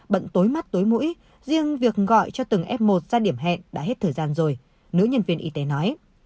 bận tối mắt tối mũi riêng việc gọi cho từng f một ra điểm hẹn đã hết thời gian rồi nữ nhân viên y tế nói